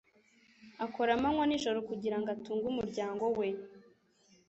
Akora amanywa n'ijoro kugira ngo atunge umuryango we.